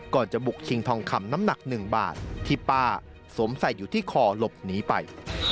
จะบุกชิงทองคำน้ำหนัก๑บาทที่ป้าสวมใส่อยู่ที่คอหลบหนีไป